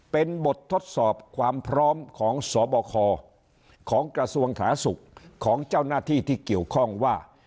เป็นบททดสอบความพร้อมของสบคของกระทรวงสาธารณสุขของเจ้าหน้าที่ที่เกี่ยวข้องว่า